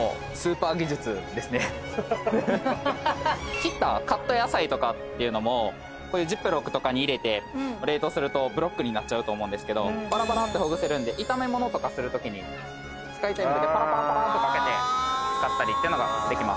切ったカット野菜とかっていうのもこういうジップロックとかに入れて冷凍するとブロックになっちゃうと思うんですけどパラパラってほぐせるんで炒め物とかするときに使いたい分だけパラパラパラッとかけて使ったりっていうのができます。